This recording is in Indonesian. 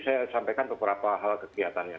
saya sampaikan beberapa hal kegiatannya